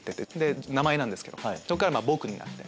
名前なんですけどそこから「僕」になって。